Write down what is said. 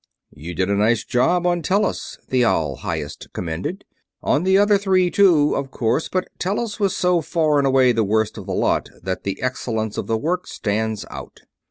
"You did a nice job on Tellus," the All Highest commended. "On the other three, too, of course, but Tellus was so far and away the worst of the lot that the excellence of the work stands out.